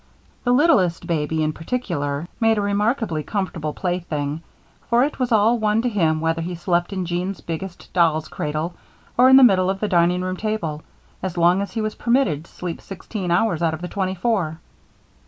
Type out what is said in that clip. The littlest baby, in particular, made a remarkably comfortable plaything, for it was all one to him whether he slept in Jean's biggest doll's cradle, or in the middle of the dining room table, as long as he was permitted to sleep sixteen hours out of the twenty four.